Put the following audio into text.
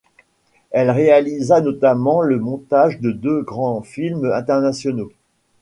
Elle réalisa notamment le montage de deux grands films internationaux.